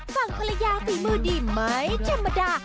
ฝั่งฮัลยาฝีมือดีไหมจำมดา